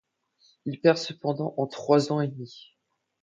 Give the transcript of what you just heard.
Il perd cependant en trois ans et demi.